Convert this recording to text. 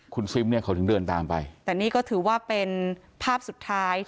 คุณซิมเนี่ยเขาถึงเดินตามไปแต่นี่ก็ถือว่าเป็นภาพสุดท้าย